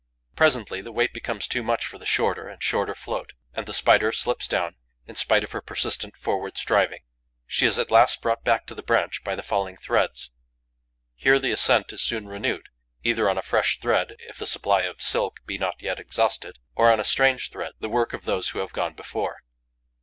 Presently, the weight becomes too much for the shorter and shorter float; and the Spider slips down, in spite of her persistent, forward striving. She is at last brought back to the branch by the falling threads. Here, the ascent is soon renewed, either on a fresh thread, if the supply of silk be not yet exhausted, or on a strange thread, the work, of those who have gone before.